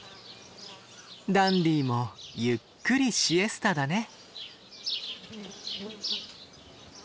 ダンディーもゆっくりシエスタだね。